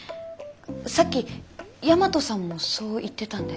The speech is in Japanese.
さっき大和さんもそう言ってたんで。